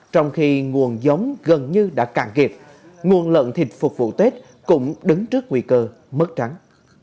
trong khi nguồn giống gần như đã cạn kiệt nguồn lợn thịt phục vụ tết cũng đứng trước nguy cơ mất trắng